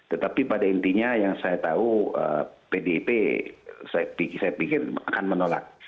tetapi pada intinya yang saya tahu pdip saya pikir akan menolak